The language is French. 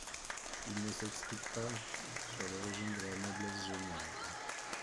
Il ne s'explique pas sur l'origine de la noblesse génoise.